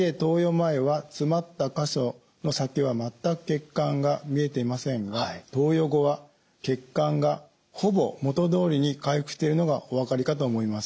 前は詰まった箇所の先は全く血管が見えていませんが投与後は血管がほぼ元どおりに回復しているのがお分かりかと思います。